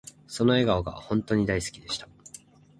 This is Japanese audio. その笑顔が本とに大好きでした